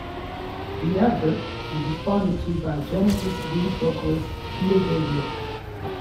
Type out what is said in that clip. The advert was responded to by Genesis lead vocalist Peter Gabriel.